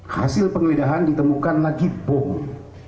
hasil penggeledahan ditemukan lagi bom